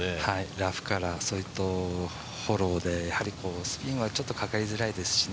ラフから、それとフォローでスピンはちょっとかかりづらいですからね